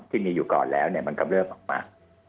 ที่มีอยู่ก่อนแล้วเนี่ยมันกำเลือบออกมา